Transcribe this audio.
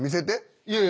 いやいや。